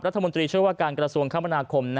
รัฐมนตรีช่วยว่าการกระทรวงคมนาคม